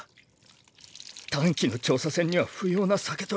短期の調査船には不要な酒と量だった。